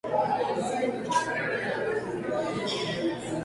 La canción de ubicó en el segundo lugar de Gaon Chart.